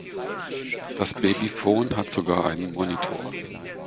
Das Babyphon hat sogar einen Monitor.